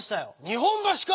日本橋か！